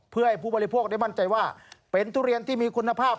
เพื่อให้ผู้บริโภคได้มั่นใจว่าเป็นทุเรียนที่มีคุณภาพ